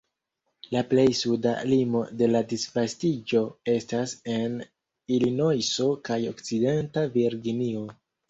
La plej suda limo de la disvastiĝo estas en Ilinojso kaj Okcidenta Virginio.